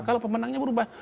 kalau pemenangnya berubah